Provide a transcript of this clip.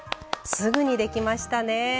すぐにできましたね。